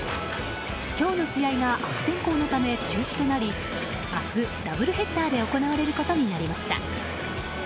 今日の試合が悪天候のため中止となり明日、ダブルヘッダーで行われることになりました。